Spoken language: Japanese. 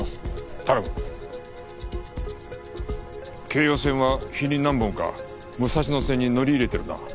京葉線は日に何本か武蔵野線に乗り入れてるな。